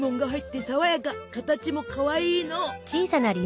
形もかわいいの！